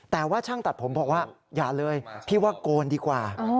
แต่ว่าช่างตัดผมบอกว่าอย่าเลยพี่ว่าโกนดีกว่า